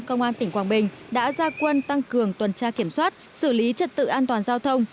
công an tỉnh quảng bình đã ra quân tăng cường tuần tra kiểm soát xử lý trật tự an toàn giao thông